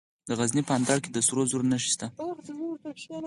د غزني په اندړ کې د سرو زرو نښې شته.